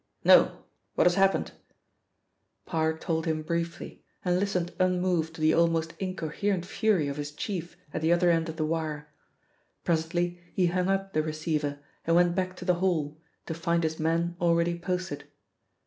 "No. What has happened?" Parr told him briefly, and listened unmoved to the almost incoherent fury of his chief at the other end of the wire. Presently he hung up the receiver and went back to the hall, to find his men already posted.